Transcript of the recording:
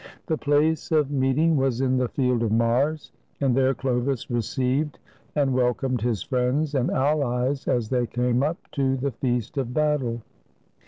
The place of meet ing was in the Field of Mars, and there Chlovis received and welcomed his friends and allies as they came up " to the feast of battle."